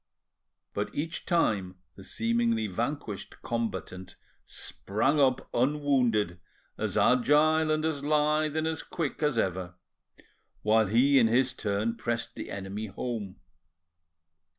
But each time the seemingly vanquished combatant sprang up unwounded, as agile and as lithe and as quick as ever, while he in his turn pressed the enemy home.